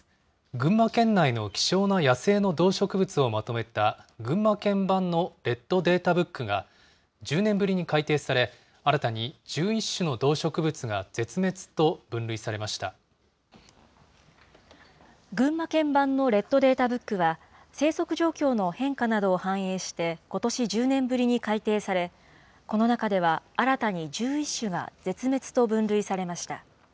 群馬県内の希少な野生の動植物をまとめた群馬県版のレッドデータブックが１０年ぶりに改訂され、新たに１１種の動植物が絶滅と分群馬県版のレッドデータブックは、生息状況の変化などを反映して、ことし１０年ぶりに改訂され、この中では新たに１１種が絶滅と分類されました。